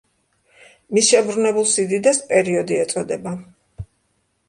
მის შებრუნებულ სიდიდეს პერიოდი ეწოდება.